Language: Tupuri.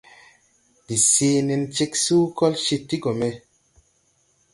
Ndi sèe nen ceg suu, kol cee ti go me.